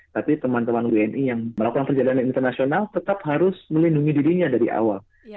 tapi teman teman wni yang melakukan perjalanan internasional tetap harus melindungi dirinya dari awal